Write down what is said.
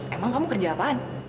emang kamu kerja apaan